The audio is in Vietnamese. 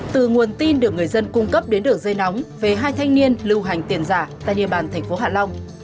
từ nguồn tin được người dân cung cấp đến đường dây nóng về hai thanh niên lưu hành tiền giả tại địa bàn thành phố hạ long